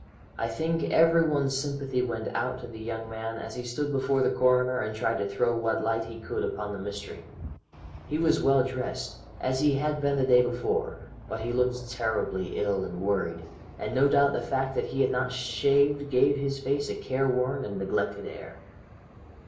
I think every one's sympathy went out to the young man as he stood before the coroner and tried to throw what light he could upon the mystery. He was well dressed, as he had been the day before, but he looked terribly ill and worried, and no doubt the fact that he had not shaved gave his face a careworn and neglected air.